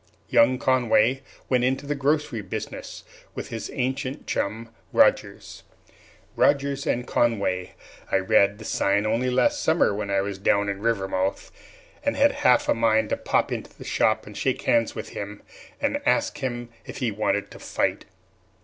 Young Conway went into the grocery business with his ancient chum, Rodgers RODGERS & CONWAY! I read the sign only last summer when I was down in Rivermouth, and had half a mind to pop into the shop and shake hands with him, and ask him if he wanted to fight.